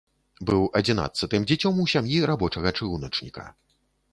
Быў адзінаццатым дзіцем у сям'і рабочага-чыгуначніка.